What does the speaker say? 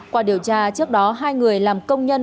qua điều tra trước đó hai người làm công nhân